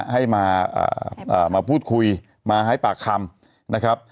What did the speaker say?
ให้มาพูดคุยมาให้ปากคำ